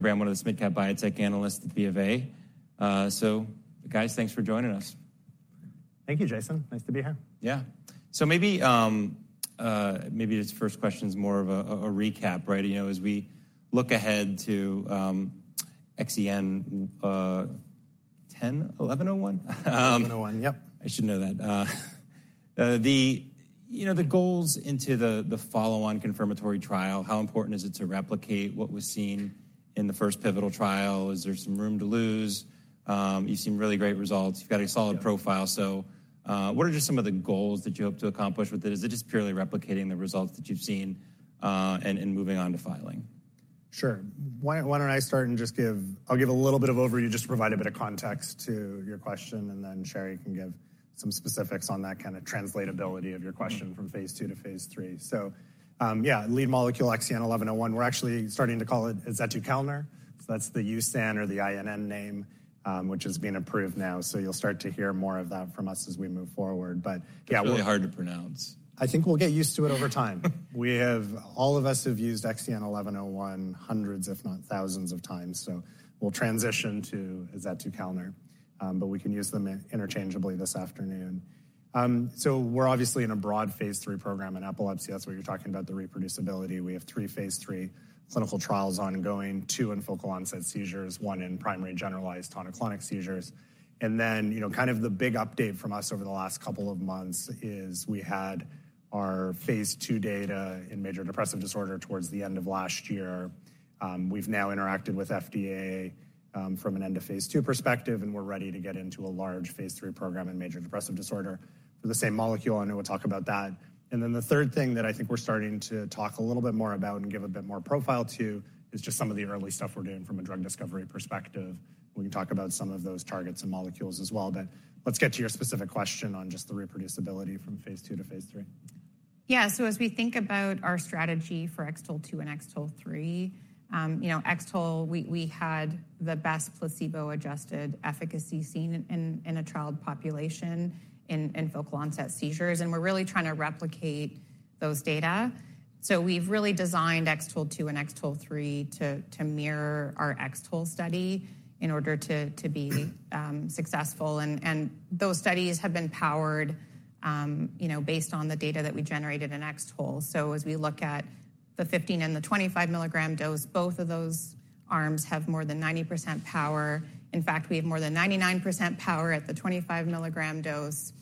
Great, I'm one of the SMID-cap biotech analysts at B of A. So guys, thanks for joining us. Thank you, Jason. Nice to be here. Yeah. So maybe this first question is more of a recap, right? You know, as we look ahead to XEN1101? 1101. Yep. I should know that. You know, the goals into the follow-on confirmatory trial, how important is it to replicate what was seen in the first pivotal trial? Is there some room to lose? You've seen really great results. You've got a solid profile. So, what are just some of the goals that you hope to accomplish with it? Is it just purely replicating the results that you've seen, and moving on to filing? Sure. Why don't I start and just give. I'll give a little bit of overview, just to provide a bit of context to your question, and then Sherry can give some specifics on that kind of translatability of your question. From phase II to phase III. So, yeah, lead molecule XEN1101. We're actually starting to call it azetukalner. So that's the USAN or the INN name, which has been approved now. So you'll start to hear more of that from us as we move forward. But yeah, we. It's really hard to pronounce. I think we'll get used to it over time. We have all of us have used XEN1101 hundreds, if not thousands, of times, so we'll transition to azetukalner, but we can use them interchangeably this afternoon. So we're obviously in a broad phase III program in epilepsy. That's why you're talking about the reproducibility. We have three phase III clinical trials ongoing: two in focal onset seizures, one in primary generalized tonic-clonic seizures. And then, you know, kind of the big update from us over the last couple of months is we had our phase II data in major depressive disorder towards the end of last year. We've now interacted with FDA from an end-of-phase II perspective, and we're ready to get into a large phase III program in major depressive disorder for the same molecule. I know we'll talk about that. And then the third thing that I think we're starting to talk a little bit more about and give a bit more profile to is just some of the early stuff we're doing from a drug discovery perspective. We can talk about some of those targets and molecules as well, but let's get to your specific question on just the reproducibility from phase II to phase III. Yeah. So as we think about our strategy for X-TOLE2 and X-TOLE3, you know, X-TOLE, we had the best placebo-adjusted efficacy seen in a trial population in focal onset seizures, and we're really trying to replicate those data. So we've really designed X-TOLE2 and X-TOLE3 to mirror our X-TOLE study in order to be successful. And those studies have been powered, you know, based on the data that we generated in X-TOLE. So as we look at the 15 and the 25 milligram dose, both of those arms have more than 90% power. In fact, we have more than 99% power at the 25 milligram dose.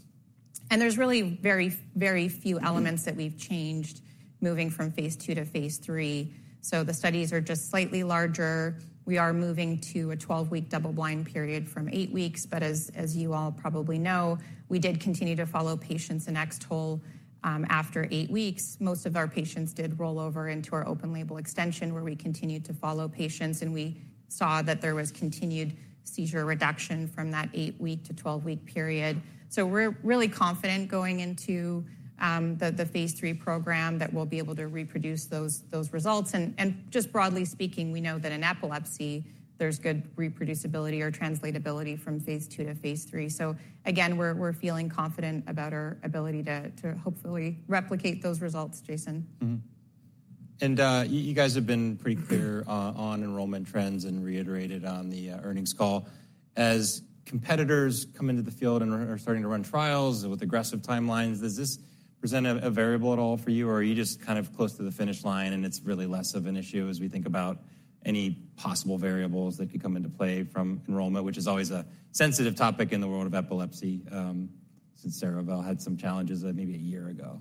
And there's really very, very few elements that we've changed moving from phase II to phase III. So the studies are just slightly larger. We are moving to a 12-week double-blind period from 8 weeks, but as you all probably know, we did continue to follow patients in X-TOLE after 8 weeks. Most of our patients did roll over into our open-label extension, where we continued to follow patients, and we saw that there was continued seizure reduction from that 8-week to 12-week period. So we're really confident going into the phase III program that we'll be able to reproduce those results. And just broadly speaking, we know that in epilepsy, there's good reproducibility or translatability from phase II to phase III. So again, we're feeling confident about our ability to hopefully replicate those results, Jason. Mm-hmm. And, you, you guys have been pretty clear on enrollment trends and reiterated on the earnings call. As competitors come into the field and are starting to run trials with aggressive timelines, does this present a variable at all for you, or are you just kind of close to the finish line, and it's really less of an issue as we think about any possible variables that could come into play from enrollment? Which is always a sensitive topic in the world of epilepsy, since Cerevel had some challenges maybe a year ago.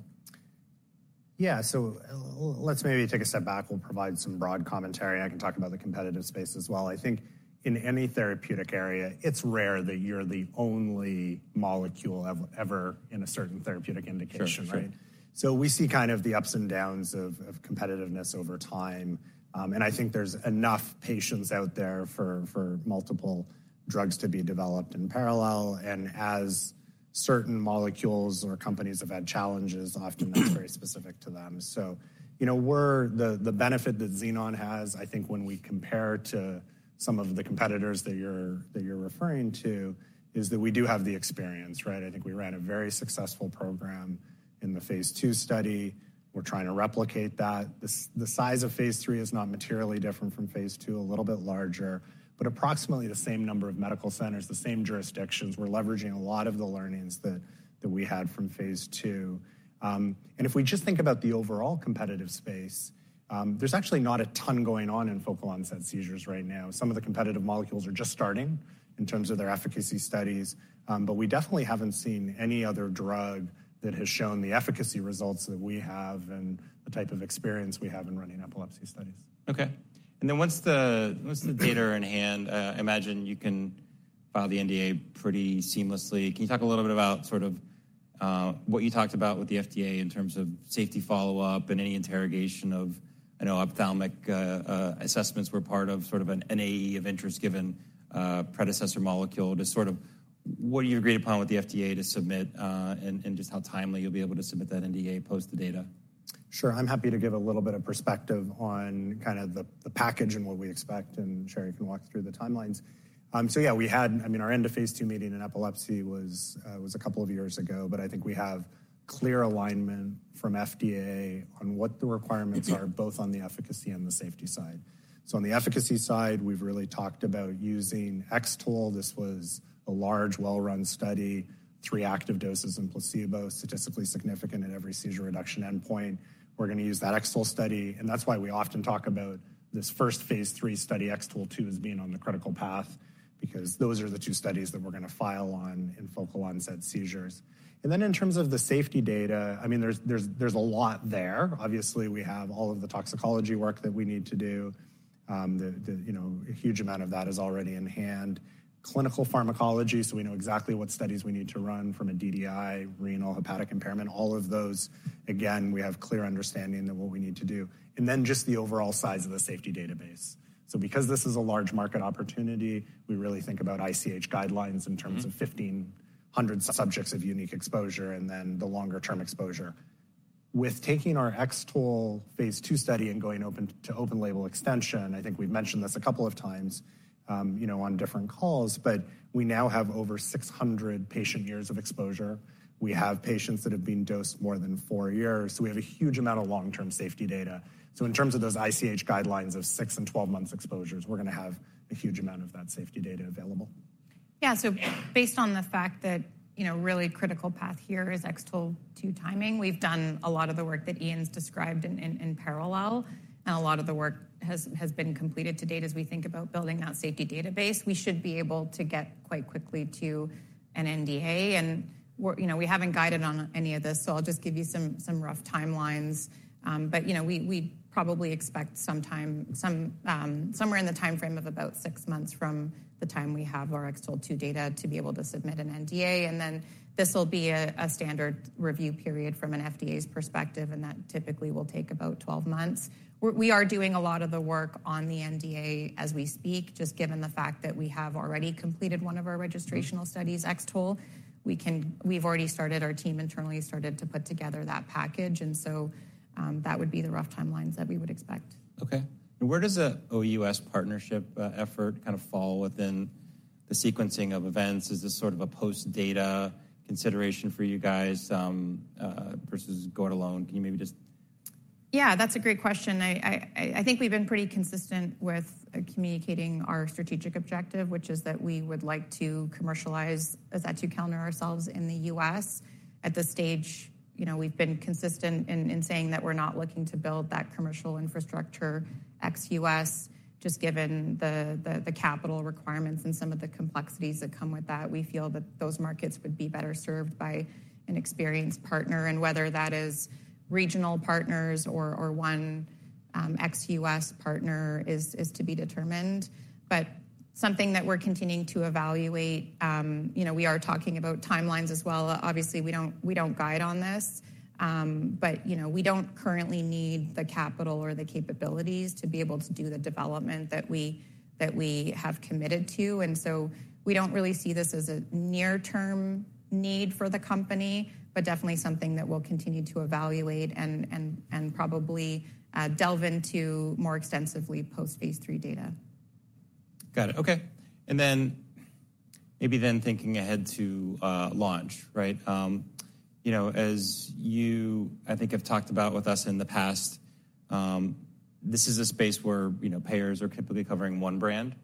Yeah. So let's maybe take a step back. We'll provide some broad commentary. I can talk about the competitive space as well. I think in any therapeutic area, it's rare that you're the only molecule ever in a certain therapeutic indication, right? Sure. So we see kind of the ups and downs of, of competitiveness over time, and I think there's enough patients out there for, for multiple drugs to be developed in parallel. As certain molecules or companies have had challenges, often that's very specific to them. So, you know, the benefit that Xenon has, I think, when we compare to some of the competitors that you're, that you're referring to, is that we do have the experience, right? I think we ran a very successful program in the phase II study. We're trying to replicate that. The size of phase III is not materially different from phase II, a little bit larger, but approximately the same number of medical centers, the same jurisdictions. We're leveraging a lot of the learnings that we had from phase II. And if we just think about the overall competitive space, there's actually not a ton going on in focal onset seizures right now. Some of the competitive molecules are just starting in terms of their efficacy studies. But we definitely haven't seen any other drug that has shown the efficacy results that we have and the type of experience we have in running epilepsy studies. Okay. And then once the data are in hand, I imagine you can file the NDA pretty seamlessly. Can you talk a little bit about sort of what you talked about with the FDA in terms of safety follow-up and any interrogation of... I know ophthalmic assessments were part of sort of an AE of interest given predecessor molecule. Just sort of what do you agreed upon with the FDA to submit, and just how timely you'll be able to submit that NDA post the data? Sure, I'm happy to give a little bit of perspective on kind of the package and what we expect, and Sherry can walk through the timelines. So yeah, we had, I mean, our end of phase 2 meeting in epilepsy was a couple of years ago, but I think we have clear alignment from FDA on what the requirements are, both on the efficacy and the safety side. So on the efficacy side, we've really talked about using X-TOLE. This was a large, well-run study, 3 active doses and placebo, statistically significant at every seizure reduction endpoint. We're going to use that X-TOLE study, and that's why we often talk about this first phase 3 study, X-TOLE2, as being on the critical path, because those are the two studies that we're going to file on in focal onset seizures. And then in terms of the safety data, I mean, there's a lot there. Obviously, we have all of the toxicology work that we need to do. You know, a huge amount of that is already in hand. Clinical pharmacology, so we know exactly what studies we need to run from a DDI, renal, hepatic impairment, all of those, again, we have clear understanding of what we need to do. And then just the overall size of the safety database. So because this is a large market opportunity, we really think about ICH guidelines in terms of 1,500 subjects of unique exposure and then the longer-term exposure. With taking our X-TOLE phase II study and going open to open label extension, I think we've mentioned this a couple of times, you know, on different calls, but we now have over 600 patient years of exposure. We have patients that have been dosed more than 4 years, so we have a huge amount of long-term safety data. So in terms of those ICH guidelines of 6 and 12 months exposures, we're going to have a huge amount of that safety data available. Yeah, so based on the fact that, you know, really critical path here is X-TOLE2 timing. We've done a lot of the work that Ian's described in parallel, and a lot of the work has been completed to date as we think about building that safety database. We should be able to get quite quickly to an NDA, and we're, you know, we haven't guided on any of this, so I'll just give you some rough timelines. But, you know, we probably expect some time somewhere in the timeframe of about six months from the time we have our X-TOLE2 data to be able to submit an NDA. And then this will be a standard review period from an FDA's perspective, and that typically will take about 12 months. We are doing a lot of the work on the NDA as we speak, just given the fact that we have already completed one of our registrational studies, X-TOLE. We've already started, our team internally, started to put together that package, and so, that would be the rough timelines that we would expect. Okay. And where does the OUS partnership effort kind of fall within the sequencing of events? Is this sort of a post-data consideration for you guys versus go it alone? Can you maybe just. Yeah, that's a great question. I think we've been pretty consistent with communicating our strategic objective, which is that we would like to commercialize azetukalner ourselves in the US. At this stage, you know, we've been consistent in saying that we're not looking to build that commercial infrastructure ex-US, just given the capital requirements and some of the complexities that come with that. We feel that those markets would be better served by an experienced partner, and whether that is regional partners or one ex-US partner is to be determined. But something that we're continuing to evaluate, you know, we are talking about timelines as well. Obviously, we don't guide on this, but, you know, we don't currently need the capital or the capabilities to be able to do the development that we have committed to. And so we don't really see this as a near-term need for the company, but definitely something that we'll continue to evaluate and probably delve into more extensively post-phase three data. Got it. Okay. And then maybe thinking ahead to launch, right? You know, as you, I think, have talked about with us in the past, this is a space where, you know, payers are typically covering one brand.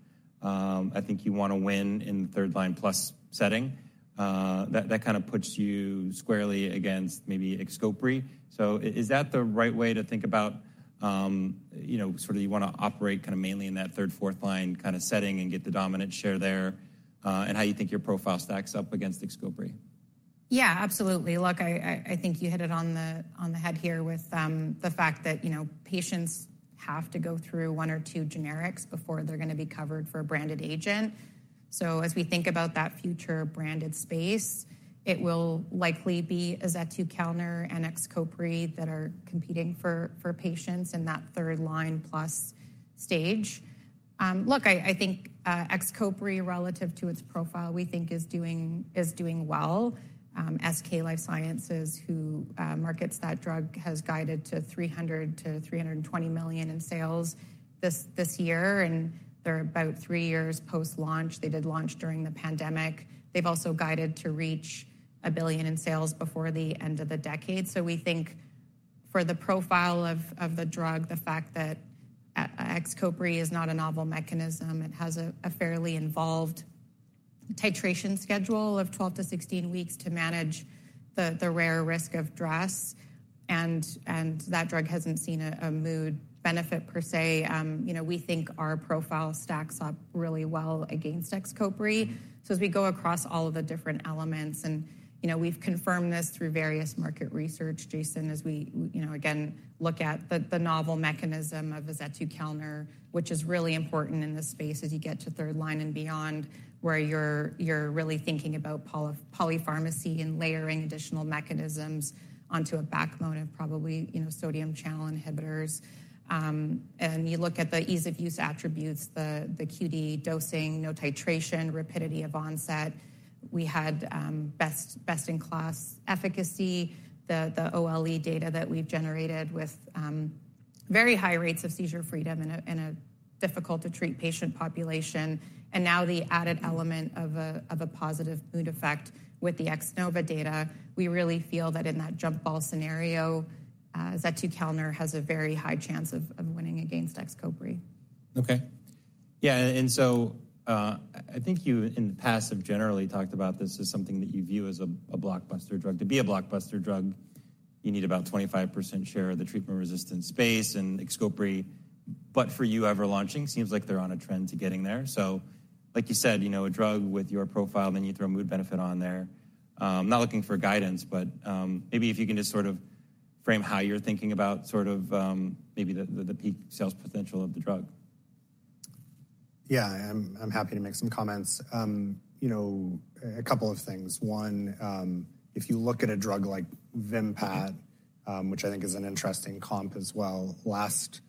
I think you want to win in the third-line-plus setting. That, that kind of puts you squarely against maybe XCOPRI. So is that the right way to think about, you know, sort of you want to operate kind of mainly in that third, fourth line kind of setting and get the dominant share there, and how you think your profile stacks up against XCOPRI? Yeah, absolutely. Look, I think you hit it on the head here with the fact that, you know, patients have to go through one or two generics before they're going to be covered for a branded agent. So as we think about that future branded space, it will likely be azetukalner and XCOPRI that are competing for patients in that third-line-plus stage. Look, I think XCOPRI, relative to its profile, we think is doing well. SK Life Science, who markets that drug, has guided to $300 million-$320 million in sales this year, and they're about 3 years post-launch. They did launch during the pandemic. They've also guided to reach $1 billion in sales before the end of the decade. So we think for the profile of the drug, the fact that XCOPRI is not a novel mechanism, it has a fairly involved titration schedule of 12-16 weeks to manage the rare risk of DRESS, and that drug hasn't seen a mood benefit per se. You know, we think our profile stacks up really well against XCOPRI. So as we go across all of the different elements and, you know, we've confirmed this through various market research, Jason, as we you know, again, look at the novel mechanism of azetukalner, which is really important in this space as you get to third line and beyond, where you're really thinking about polypharmacy and layering additional mechanisms onto a backbone of probably, you know, sodium channel inhibitors. And you look at the ease-of-use attributes, the QD dosing, no titration, rapidity of onset... we had best-in-class efficacy, the OLE data that we've generated with very high rates of seizure freedom in a difficult-to-treat patient population, and now the added element of a positive mood effect with the X-NOVA data. We really feel that in that jump ball scenario, azetukalner has a very high chance of winning against XCOPRI. Okay. Yeah, and so, I think you, in the past, have generally talked about this as something that you view as a, a blockbuster drug. To be a blockbuster drug, you need about 25% share of the treatment-resistant space and XCOPRI, but for you ever launching, seems like they're on a trend to getting there. So like you said, you know, a drug with your profile, then you throw a mood benefit on there. Not looking for guidance, but, maybe if you can just sort of frame how you're thinking about sort of, maybe the, the, the peak sales potential of the drug. Yeah, I'm happy to make some comments. You know, a couple of things. One, if you look at a drug like Vimpat, which I think is an interesting comp as well, last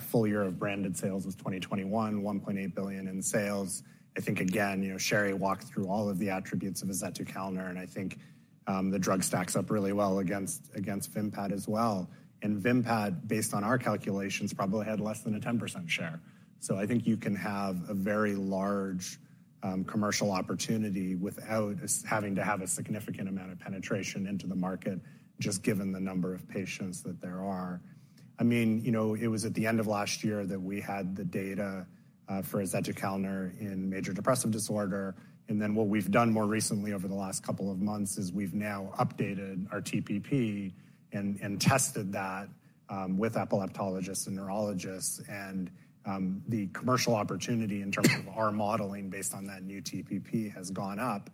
full year of branded sales was 2021, $1.8 billion in sales. I think, again, you know, Sherry walked through all of the attributes of azetukalner, and I think the drug stacks up really well against Vimpat as well. And Vimpat, based on our calculations, probably had less than a 10% share. So I think you can have a very large commercial opportunity without us having to have a significant amount of penetration into the market, just given the number of patients that there are. I mean, you know, it was at the end of last year that we had the data for azetukalner in major depressive disorder, and then what we've done more recently over the last couple of months is we've now updated our TPP and tested that with epileptologists and neurologists. And the commercial opportunity in terms of our modeling based on that new TPP has gone up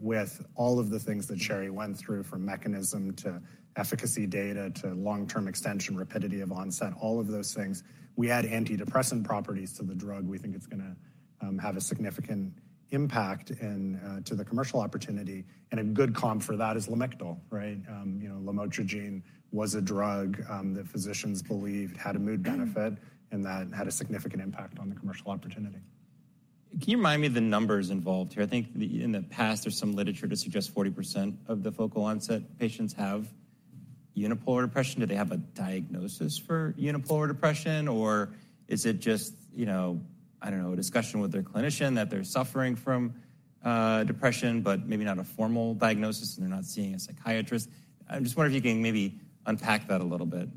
with all of the things that Sherry went through, from mechanism to efficacy data, to long-term extension, rapidity of onset, all of those things. We add antidepressant properties to the drug. We think it's gonna have a significant impact and to the commercial opportunity, and a good comp for that is Lamictal, right? You know, lamotrigine was a drug that physicians believed had a mood benefit and that had a significant impact on the commercial opportunity. Can you remind me of the numbers involved here? I think the in the past, there's some literature to suggest 40% of the focal onset patients have unipolar depression. Do they have a diagnosis for unipolar depression, or is it just, you know, I don't know, a discussion with their clinician that they're suffering from depression, but maybe not a formal diagnosis, and they're not seeing a psychiatrist? I'm just wondering if you can maybe unpack that a little bit?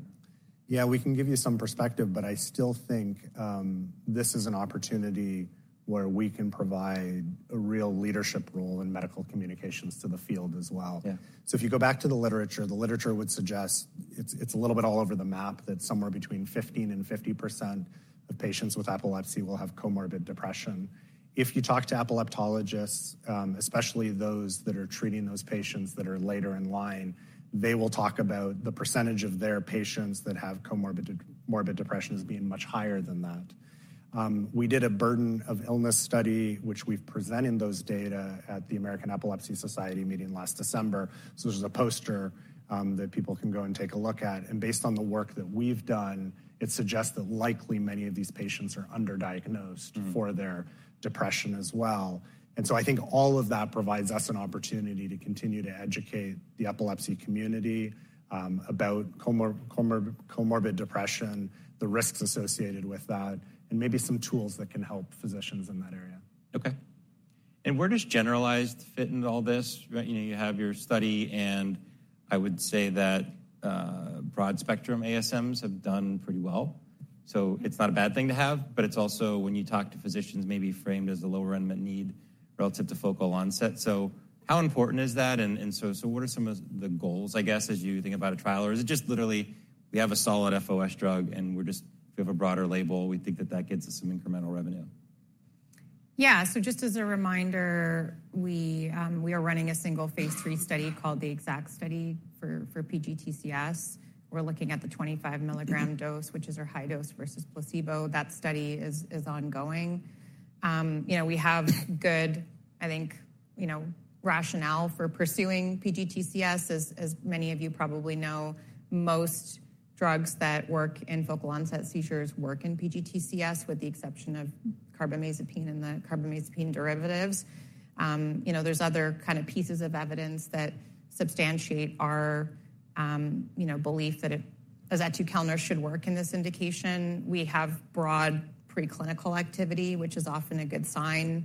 Yeah, we can give you some perspective, but I still think, this is an opportunity where we can provide a real leadership role in medical communications to the field as well. Yeah. So if you go back to the literature, the literature would suggest it's a little bit all over the map, that somewhere between 15%-50% of patients with epilepsy will have comorbid depression. If you talk to epileptologists, especially those that are treating those patients that are later in line, they will talk about the percentage of their patients that have comorbid depression as being much higher than that. We did a burden of illness study, which we've presented those data at the American Epilepsy Society meeting last December. So there's a poster that people can go and take a look at, and based on the work that we've done, it suggests that likely many of these patients are underdiagnosed. Mm-hmm. For their depression as well. And so I think all of that provides us an opportunity to continue to educate the epilepsy community about comorbid depression, the risks associated with that, and maybe some tools that can help physicians in that area. Okay. And where does generalized fit into all this? Right, you know, you have your study, and I would say that, broad-spectrum ASMs have done pretty well. So it's not a bad thing to have, but it's also, when you talk to physicians, may be framed as a lower unmet need relative to focal onset. So how important is that? And so, what are some of the goals, I guess, as you think about a trial? Or is it just literally we have a solid FOS drug, and we're just. If we have a broader label, we think that that gets us some incremental revenue. Yeah. So just as a reminder, we are running a single phase III study called the EXACT study for PGTCS. We're looking at the 25 milligram dose, which is our high dose versus placebo. That study is ongoing. You know, we have good, I think, rationale for pursuing PGTCS. As many of you probably know, most drugs that work in focal-onset seizures work in PGTCS, with the exception of carbamazepine and the carbamazepine derivatives. You know, there's other kind of pieces of evidence that substantiate our belief that azetukalner should work in this indication. We have broad preclinical activity, which is often a good sign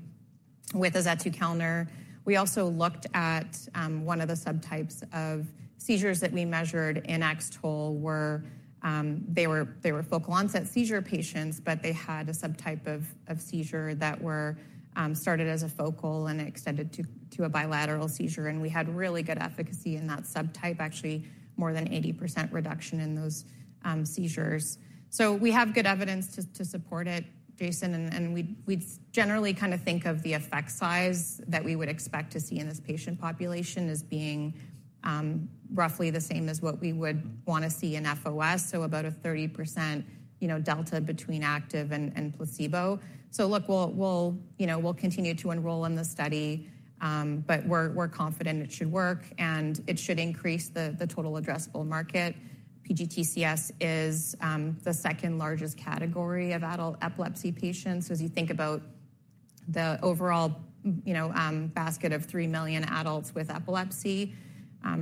with azetukalner. We also looked at one of the subtypes of seizures that we measured in X-TOLE were they were focal-onset seizure patients, but they had a subtype of seizure that were started as a focal and extended to a bilateral seizure, and we had really good efficacy in that subtype, actually, more than 80% reduction in those seizures. So we have good evidence to support it, Jason, and we'd generally kind of think of the effect size that we would expect to see in this patient population as being roughly the same as what we would want to see in FOS, so about a 30%, you know, delta between active and placebo. So look, you know, we'll continue to enroll in the study, but we're confident it should work, and it should increase the total addressable market. PGTCS is the second-largest category of adult epilepsy patients, as you think about the overall, you know, basket of 3 million adults with epilepsy,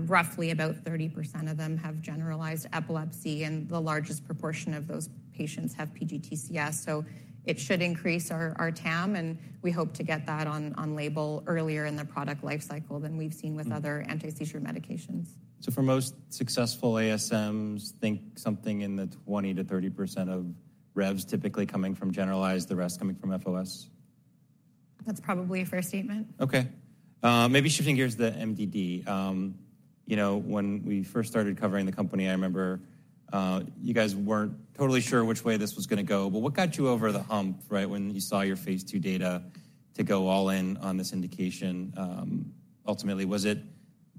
roughly about 30% of them have generalized epilepsy, and the largest proportion of those patients have PGTCs. So it should increase our TAM, and we hope to get that on label earlier in the product life cycle than we've seen with other anti-seizure medications. For most successful ASMs, think something in the 20%-30% of revs typically coming from generalized, the rest coming from FOS? That's probably a fair statement. Okay. Maybe shifting gears to the MDD. You know, when we first started covering the company, I remember, you guys weren't totally sure which way this was gonna go, but what got you over the hump, right, when you saw your phase two data to go all in on this indication? Ultimately, was it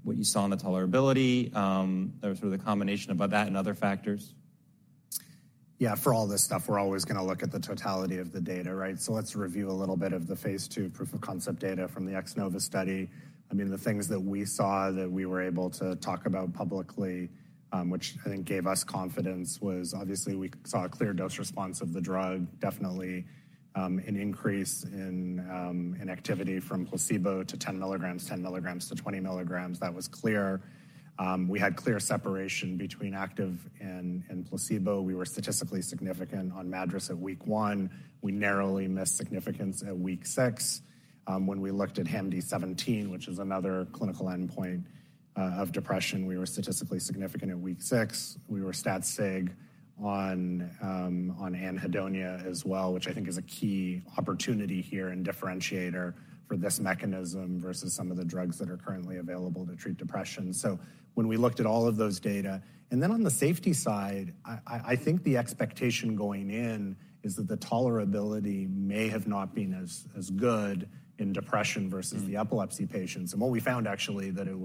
what you saw on the tolerability, or sort of the combination of that and other factors? Yeah, for all this stuff, we're always going to look at the totality of the data, right? So let's review a little bit of the phase 2 proof of concept data from the X-NOVA study. I mean, the things that we saw that we were able to talk about publicly, which I think gave us confidence, was obviously we saw a clear dose response of the drug, definitely, an increase in activity from placebo to 10 milligrams, 10 milligrams to 20 milligrams. That was clear. We had clear separation between active and placebo. We were statistically significant on MADRS at week one. We narrowly missed significance at week six. When we looked at HAMD-17, which is another clinical endpoint of depression, we were statistically significant at week six. We were stat sig on anhedonia as well, which I think is a key opportunity here and differentiator for this mechanism versus some of the drugs that are currently available to treat depression. So when we looked at all of those data... And then on the safety side, I think the expectation going in is that the tolerability may have not been as good in depression versus the epilepsy patients. And what we found actually, that it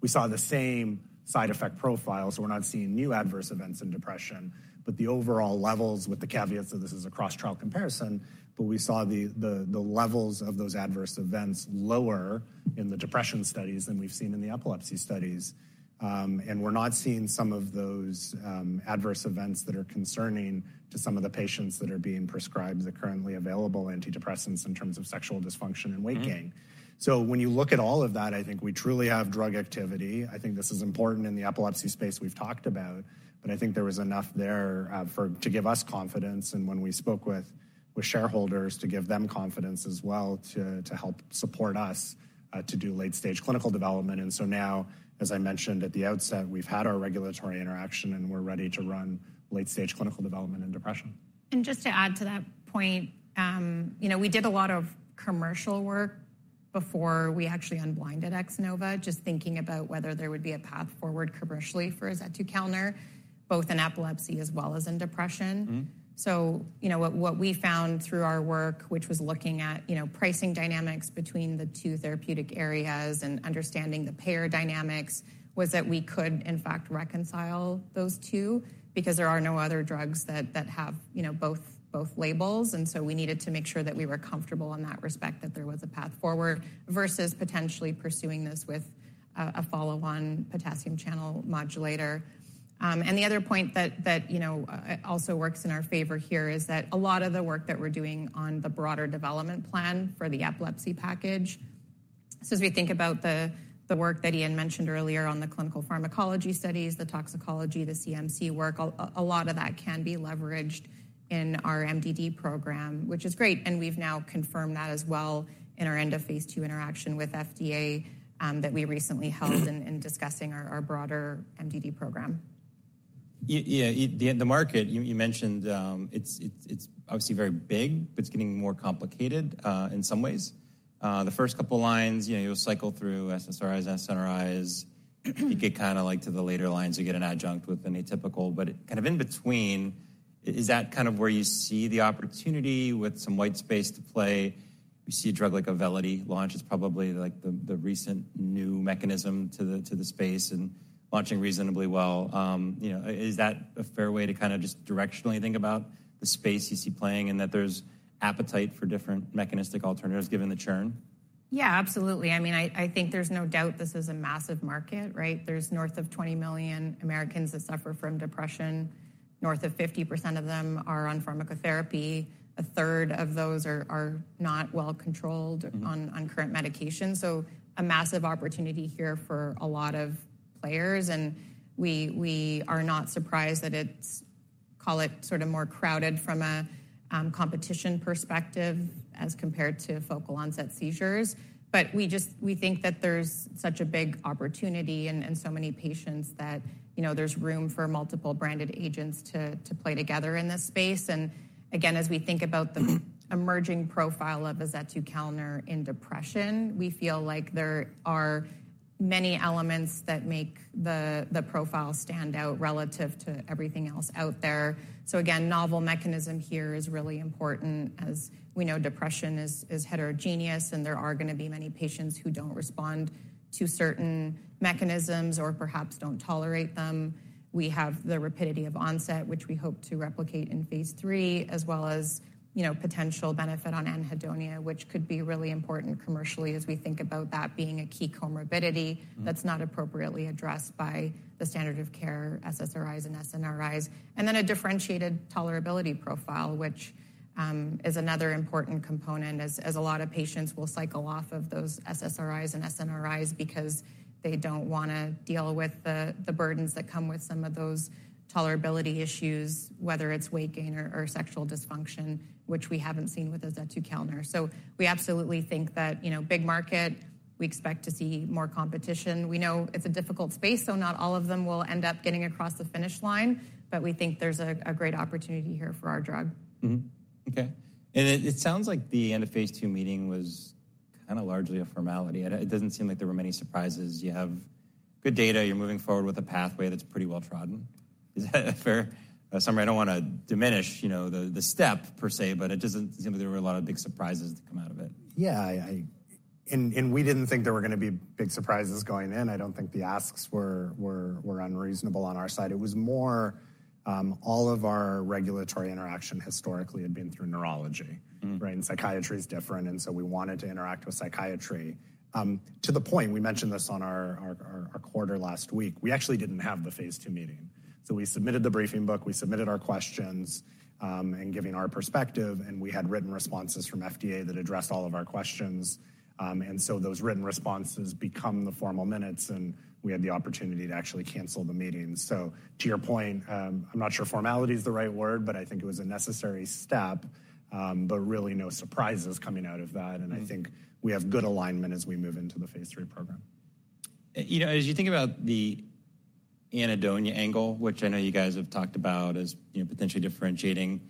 was—we saw the same side effect profile, so we're not seeing new adverse events in depression, but the overall levels, with the caveat that this is a cross-trial comparison, but we saw the levels of those adverse events lower in the depression studies than we've seen in the epilepsy studies. And we're not seeing some of those adverse events that are concerning to some of the patients that are being prescribed the currently available antidepressants in terms of sexual dysfunction and weight gain. So when you look at all of that, I think we truly have drug activity. I think this is important in the epilepsy space we've talked about, but I think there was enough there for to give us confidence, and when we spoke with shareholders, to give them confidence as well, to help support us to do late-stage clinical development. So now, as I mentioned at the outset, we've had our regulatory interaction, and we're ready to run late-stage clinical development in depression. Just to add to that point, you know, we did a lot of commercial work before we actually unblinded X-NOVA, just thinking about whether there would be a path forward commercially for azetukalner, both in epilepsy as well as in depression. So, you know, what we found through our work, which was looking at, you know, pricing dynamics between the two therapeutic areas and understanding the payer dynamics, was that we could, in fact, reconcile those two because there are no other drugs that have, you know, both labels. And so we needed to make sure that we were comfortable in that respect, that there was a path forward versus potentially pursuing this with a follow-on potassium channel modulator. And the other point that, you know, also works in our favor here is that a lot of the work that we're doing on the broader development plan for the epilepsy package. So as we think about the work that Ian mentioned earlier on the clinical pharmacology studies, the toxicology, the CMC work, a lot of that can be leveraged in our MDD program, which is great, and we've now confirmed that as well in our end-of-phase two interaction with FDA, that we recently held in discussing our broader MDD program. Yeah, the market you mentioned, it's obviously very big, but it's getting more complicated in some ways. The first couple of lines, you know, you'll cycle through SSRIs, SNRIs. You get kind of like to the later lines, you get an adjunct with an atypical, but kind of in between, is that kind of where you see the opportunity with some white space to play? You see a drug like AUVELITY launch is probably like the recent new mechanism to the space and launching reasonably well. You know, is that a fair way to kind of just directionally think about the space you see playing and that there's appetite for different mechanistic alternatives given the churn? Yeah, absolutely. I mean, I think there's no doubt this is a massive market, right? There's north of 20 million Americans that suffer from depression. North of 50% of them are on pharmacotherapy. A third of those are not well controlled- on current medication. So a massive opportunity here for a lot of players, and we are not surprised that it's, call it, sort of more crowded from a competition perspective as compared to focal onset seizures. But we just think that there's such a big opportunity and so many patients that, you know, there's room for multiple branded agents to play together in this space. And again, as we think about the emerging profile of azetukalner in depression, we feel like there are many elements that make the profile stand out relative to everything else out there. So again, novel mechanism here is really important. As we know, depression is heterogeneous, and there are going to be many patients who don't respond to certain mechanisms or perhaps don't tolerate them. We have the rapidity of onset, which we hope to replicate in phase III, as well as, you know, potential benefit on anhedonia, which could be really important commercially as we think about that being a key comorbidity, that's not appropriately addressed by the standard of care, SSRIs and SNRIs. And then a differentiated tolerability profile, which is another important component as a lot of patients will cycle off of those SSRIs and SNRIs because they don't want to deal with the burdens that come with some of those tolerability issues, whether it's weight gain or sexual dysfunction, which we haven't seen with azetukalner. So we absolutely think that, you know, big market. We expect to see more competition. We know it's a difficult space, so not all of them will end up getting across the finish line, but we think there's a great opportunity here for our drug. Mm-hmm. Okay, and it sounds like the end of phase 2 meeting was kind of largely a formality, and it doesn't seem like there were many surprises. You have good data. You're moving forward with a pathway that's pretty well trodden. Is that fair summary? I don't want to diminish, you know, the step per se, but it doesn't seem there were a lot of big surprises to come out of it. Yeah, and we didn't think there were going to be big surprises going in. I don't think the asks were unreasonable on our side. It was more, all of our regulatory interaction historically had been through neurology. Mm. Right? And psychiatry is different, and so we wanted to interact with psychiatry. To the point, we mentioned this on our quarter last week, we actually didn't have the phase 2 meeting. So we submitted the briefing book, we submitted our questions, and giving our perspective, and we had written responses from FDA that addressed all of our questions. And so those written responses become the formal minutes, and we had the opportunity to actually cancel the meeting. So to your point, I'm not sure formality is the right word, but I think it was a necessary step. But really no surprises coming out of that. I think we have good alignment as we move into the phase three program. You know, as you think about the anhedonia angle, which I know you guys have talked about as, you know, potentially differentiating,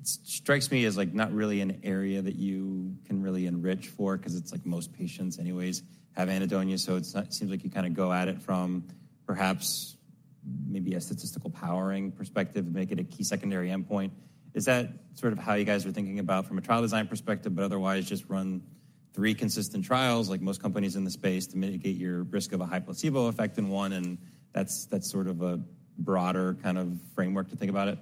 it strikes me as like, not really an area that you can really enrich for because it's like most patients anyways have anhedonia. So it's, seems like you kind of go at it from perhaps maybe a statistical powering perspective and make it a key secondary endpoint. Is that sort of how you guys are thinking about from a trial design perspective, but otherwise just run three consistent trials like most companies in the space, to mitigate your risk of a high placebo effect in one, and that's, that's sort of a broader kind of framework to think about it?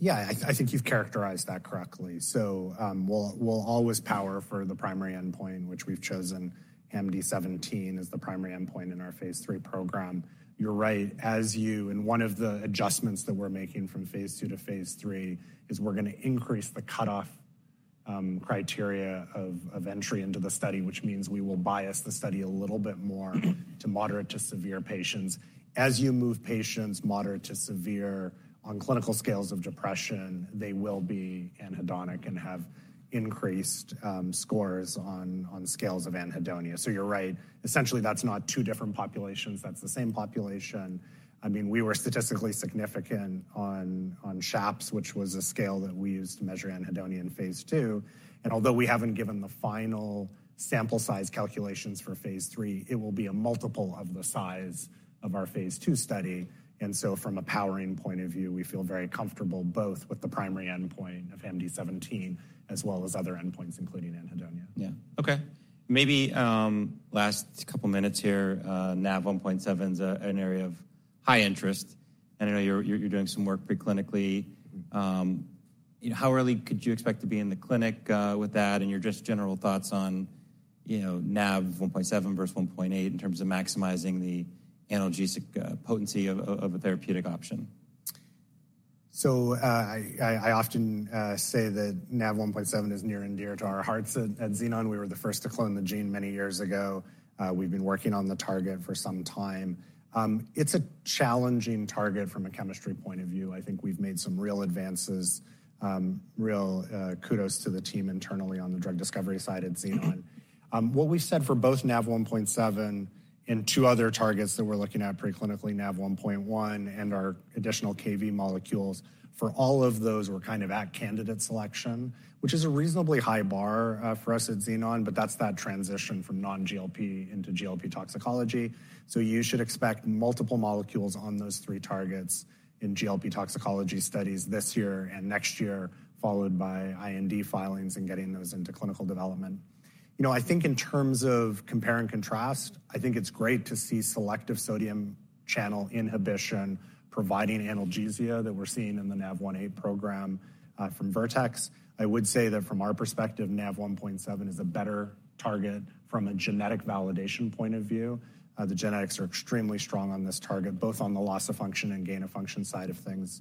Yeah, I think you've characterized that correctly. So, we'll always power for the primary endpoint, which we've chosen HAMD-17 as the primary endpoint in our phase 3 program. You're right. As you... And one of the adjustments that we're making from phase 2 to phase 3 is we're gonna increase the cutoff criteria of entry into the study, which means we will bias the study a little bit more to moderate to severe patients. As you move patients moderate to severe on clinical scales of depression, they will be anhedonic and have increased scores on scales of anhedonia. So you're right. Essentially, that's not two different populations; that's the same population. I mean, we were statistically significant on SHAPS, which was a scale that we used to measure anhedonia in phase 2, and although we haven't given the final sample size calculations for phase 3, it will be a multiple of the size of our phase 2 study. So from a powering point of view, we feel very comfortable both with the primary endpoint of HAMD-17 as well as other endpoints, including anhedonia. Yeah. Okay. Maybe last couple minutes here, Nav1.7's an area of high interest, and I know you're doing some work pre-clinically. How early could you expect to be in the clinic with that? And your just general thoughts on, you know, Nav1.7 versus 1.8, in terms of maximizing the analgesic potency of a therapeutic option. So, I often say that Nav1.7 is near and dear to our hearts. At Xenon, we were the first to clone the gene many years ago. We've been working on the target for some time. It's a challenging target from a chemistry point of view. I think we've made some real advances, real kudos to the team internally on the drug discovery side at Xenon. What we said for both Nav1.7 and two other targets that we're looking at pre-clinically, Nav1.1, and our additional Kv molecules. For all of those, we're kind of at candidate selection, which is a reasonably high bar, for us at Xenon, but that's that transition from non-GLP into GLP toxicology. So you should expect multiple molecules on those three targets in GLP toxicology studies this year and next year, followed by IND filings and getting those into clinical development. You know, I think in terms of compare and contrast, I think it's great to see selective sodium channel inhibition, providing analgesia that we're seeing in the Nav1.8 program from Vertex. I would say that from our perspective, Nav1.7 is a better target from a genetic validation point of view. The genetics are extremely strong on this target, both on the loss of function and gain of function side of things.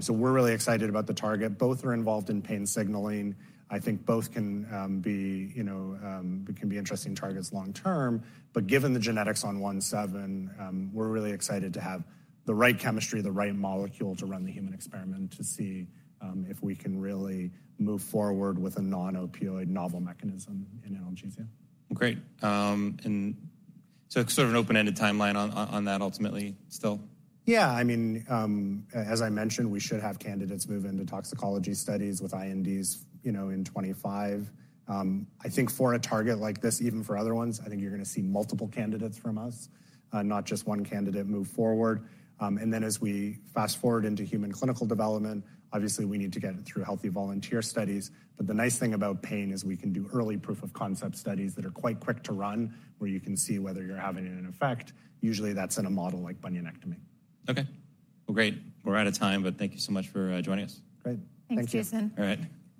So we're really excited about the target. Both are involved in pain signaling. I think both can be, you know, interesting targets long term. But given the genetics on 1.7, we're really excited to have the right chemistry, the right molecule to run the human experiment, to see if we can really move forward with a non-opioid novel mechanism in analgesia. Great. And so sort of an open-ended timeline on that ultimately still? Yeah. I mean, as I mentioned, we should have candidates move into toxicology studies with INDs, you know, in 2025. I think for a target like this, even for other ones, I think you're gonna see multiple candidates from us, not just one candidate move forward. And then as we fast-forward into human clinical development, obviously, we need to get it through healthy volunteer studies. But the nice thing about pain is we can do early proof of concept studies that are quite quick to run, where you can see whether you're having an effect. Usually, that's in a model like bunionectomy. Okay. Well, great. We're out of time, but thank you so much for joining us. Great. Thanks, Jason. Thank you. All right.